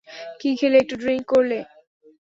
কী খেলে একটু ড্রিংক করলে!